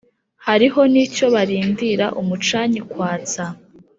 hariho n' icyo barindira umucanyi kwatsa,